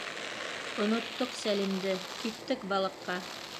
— Оноттоҡ Сәлимде, киттек балыҡҡа!